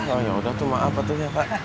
oh yaudah tuh maaf ya pak